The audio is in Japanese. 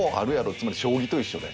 つまり将棋と一緒で。